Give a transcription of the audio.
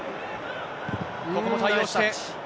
ここも対応して。